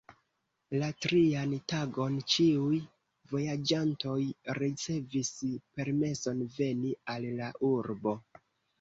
La trian tagon ĉiuj vojaĝantoj ricevis permeson veni al la urbo.